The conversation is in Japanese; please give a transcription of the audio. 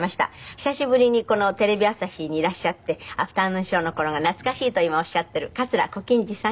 久しぶりにこのテレビ朝日にいらっしゃって『アフタヌーンショー』の頃が懐かしいと今おっしゃっている桂小金治さん